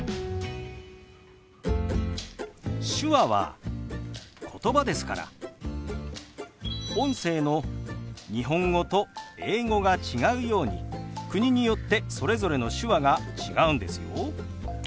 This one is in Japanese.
手話はことばですから音声の日本語と英語が違うように国によってそれぞれの手話が違うんですよ。